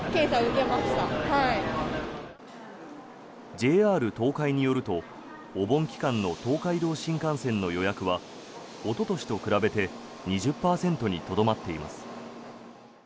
ＪＲ東海によるとお盆期間の東海道新幹線の予約はおととしと比べて２０％にとどまっています。